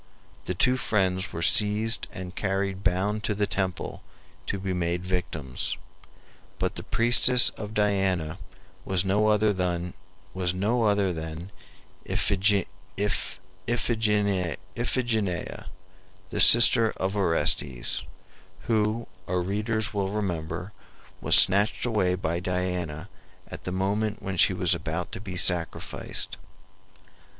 The two friends were seized and carried bound to the temple to be made victims. But the priestess of Diana was no other than Iphigenia, the sister of Orestes, who, our readers will remember, was snatched away by Diana at the moment when she was about to be sacrificed.